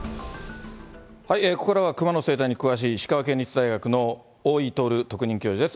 ここからはクマの生態に詳しい石川県立大学の大井徹特任教授です。